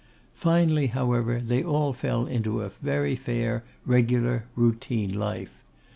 Finally, however, they all fell into a very fair, regular, routine life.